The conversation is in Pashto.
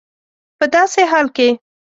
په داسي حال کي